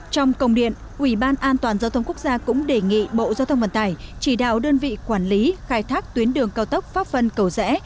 trong công điện ubnd cũng đề nghị bộ giao thông vận tải chỉ đạo đơn vị quản lý khai thác tuyến đường cao tốc pháp phân cầu rẽ